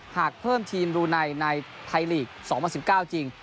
หากเพิ่มทีมรูไนในไทยลีก๒๐๑๙จริง